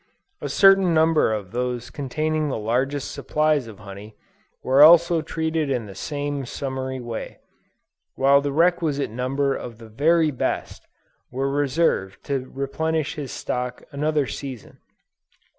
A certain number of those containing the largest supplies of honey, were also treated in the same summary way: while the requisite number of the very best, were reserved to replenish his stock another season.